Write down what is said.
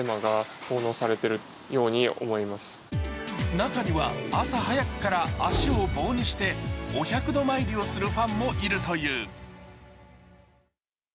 中には朝早くから足を棒にしてお百度参りをするファンもいるという。